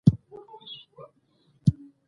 کله چې هلته ورسېد فابریکې ته ورسول شو